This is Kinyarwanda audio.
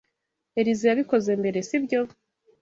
Elyse yabikoze mbere, si byo?